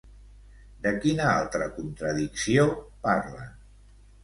De quina altra contradicció parlen?